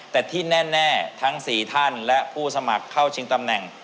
แต่ที่แน่ทั้ง๔ท่านและผู้สมัครเข้าชิงตำแหน่ง